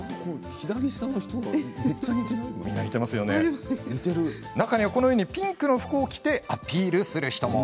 その中にはこのようにピンクの服を着てアピールする人も。